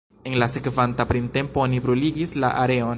En la sekvanta printempo oni bruligis la areon.